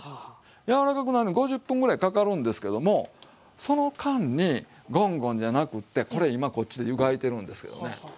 柔らかくなるのに５０分ぐらいかかるんですけどもその間にゴンゴンじゃなくってこれ今こっちで湯がいてるんですよね。